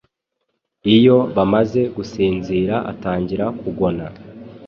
iyo bamaze gusinzira atangira kugona